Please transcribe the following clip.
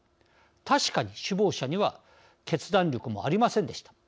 確かに首謀者には決断力もありませんでした。